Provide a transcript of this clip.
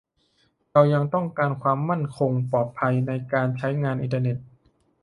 เรายังต้องการความมั่นคงปลอดภัยในการใช้งานอินเทอร์เน็ต